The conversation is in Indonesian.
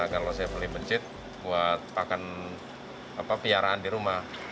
kalau saya beli mencit buat pakan peliharaan di rumah